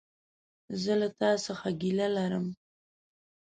زه له تا څخه ګيله لرم!